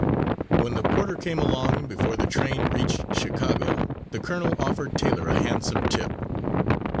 When the porter came along, before the train reached Chicago, the colonel offered Taylor a handsome tip.